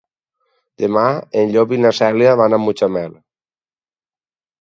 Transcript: Demà en Llop i na Cèlia van a Mutxamel.